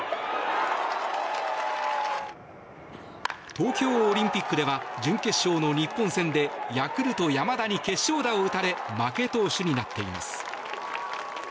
東京オリンピックでは準決勝の日本戦でヤクルト、山田に決勝打を打たれ負け投手になっています。